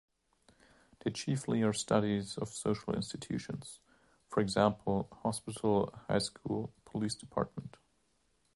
They chiefly are studies of social institutions: for example, hospital, high school, police department.